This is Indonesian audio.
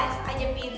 lagi kok kebelin